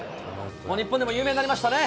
日本でも有名になりましたね。